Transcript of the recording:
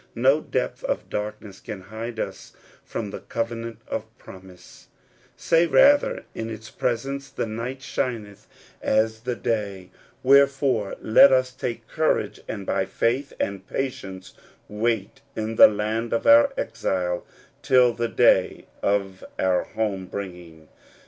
No depth of darkness can hide us from the covenant of promise ; say, rather, in its presence the night shineth as the day. Wherefore, let us take courage, and by faith and patience wait in the land of our exile till the day of our home bringing.